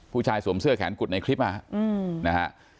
ผู้ชายสวมเซื้อแขนกุดในคลิปอ่ะ